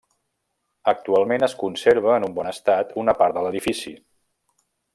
Actualment es conserva en un bon estat una part de l'edifici.